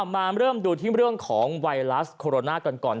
มาเริ่มดูที่เรื่องของไวรัสโคโรนากันก่อน